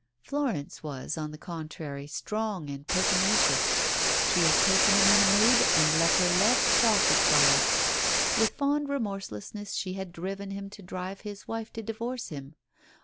Florence was, on the contrary, strong and pertinacious, she had taken him in a mood, and let her love profit by it. With fond remorselessness she had driven him to drive his wife to divorce him.